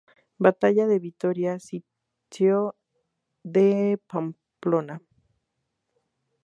Batalla de Vitoria, sitio de Pamplona.